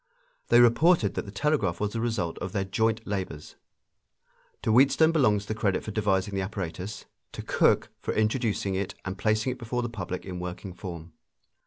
They reported that the telegraph was the result of their joint labors. To Wheatstone belongs the credit for devising the apparatus; to Cooke for introducing it and placing it before the public in working form.